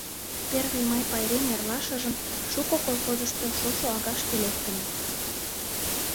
Первый май пайрем эрлашыжым шуко колхозышто шошо агашке лектыныт.